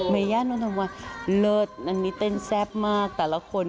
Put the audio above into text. เมย่านนทวันเลิศอันนี้เต้นแซ่บมากแต่ละคน